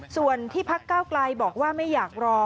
ส่วนที่พักเก้าไกลบอกว่าไม่อยากรอ